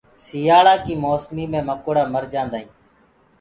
سِيآݪآ ڪآ موسمو مينٚ مڪوڙآ مر جآندآ هينٚ۔